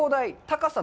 高さ？